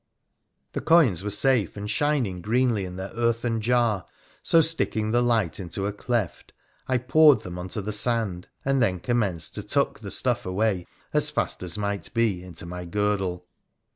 The coins were safe, and shining greenly in their earthen jar : so, sticking the light into a cleft, I poured them on to the sand, and then commenced to tuck the stuff away, as fast as might be, into my girdle.